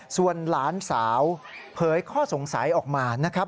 ส่วนหลานสาวเผยข้อสงสัยออกมานะครับ